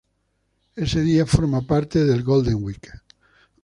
Este día forma parte del Golden Week.